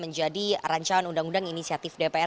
menjadi rancangan undang undang inisiatif dpr